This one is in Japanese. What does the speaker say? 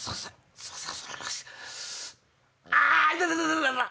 すいません。